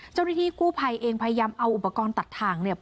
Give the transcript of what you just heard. เจ้าหน้าที่กู้ภัยเองพยายามเอาอุปกรณ์ตัดทางเนี่ย